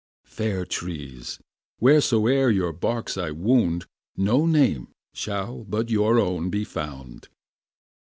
Fair trees! wheres'e'er your barks I wound, No name shall but your own be found.